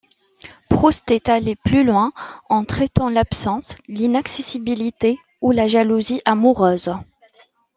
Proust est allé plus loin, en traitant l'absence, l'inaccessibilité ou la jalousie amoureuse.